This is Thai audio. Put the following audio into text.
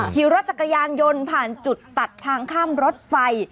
ขี่รถจักรยานยนต์ผ่านจุดตัดทางข้ามรถไฟ